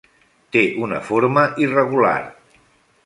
Té una forma irregular.